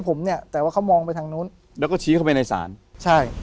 ผมเนี่ยแต่ว่าเขามองไปทางนู้นแล้วก็ชี้เข้าไปในศาลใช่